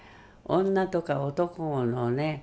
女とか男のね